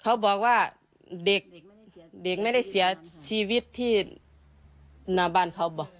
เขาบอกว่าเด็กเด็กไม่ได้เสียชีวิตที่หน้าบ้านเขาบอก